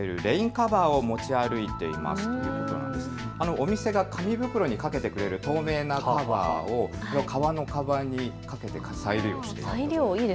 お店が紙袋にかけてくれる透明なカバーを革のカバンにかけて再利用していると。